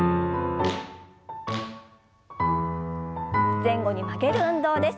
前後に曲げる運動です。